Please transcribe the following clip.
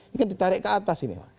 ini kan ditarik ke atas ini pak